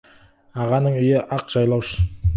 Ағаның үйі — ақ жайлау.